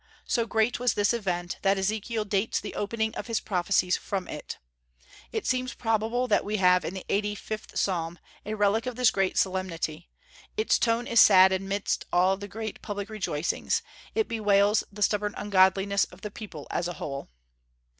So great was this event that Ezekiel dates the opening of his prophecies from it. "It seems probable that we have in the eighty fifth psalm a relic of this great solemnity.... Its tone is sad amidst all the great public rejoicings; it bewails the stubborn ungodliness of the people as a whole."